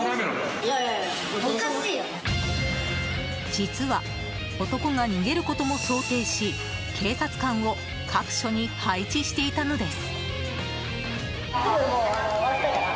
実は、男が逃げることも想定し警察官を各所に配置していたのです。